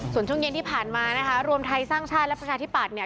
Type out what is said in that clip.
ส่วนช่วงเย็นที่ผ่านมานะคะรวมไทยสร้างชาติและประชาธิปัตยเนี่ย